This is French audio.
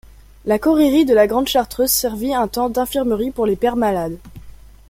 La Correrie de la Grande Chartreuse servit un temps d'infirmerie pour les Pères malades.